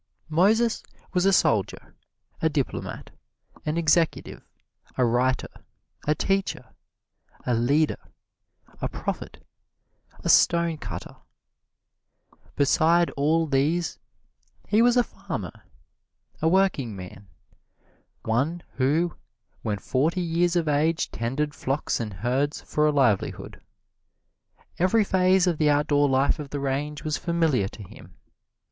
Moses was a soldier, a diplomat, an executive, a writer, a teacher, a leader, a prophet, a stonecutter. Beside all these he was a farmer a workingman, one who when forty years of age tended flocks and herds for a livelihood. Every phase of the outdoor life of the range was familiar to him.